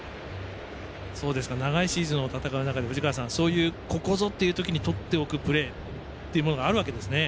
長いシーズンを戦う中でここぞって時にとっておくプレーがあるんですね。